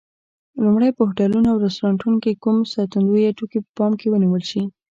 لومړی: په هوټلونو او رستورانتونو کې کوم ساتندویه ټکي په پام کې ونیول شي؟